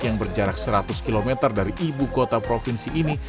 yang berjarak seratus km dari ibu kota provinsi ini